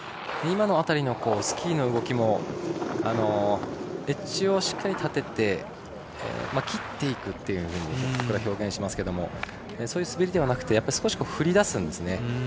今の辺りのスキーの動きもエッジをしっかり立てて切っていくという表現をしますがそういう滑りではなくて少し、振り出すんですね。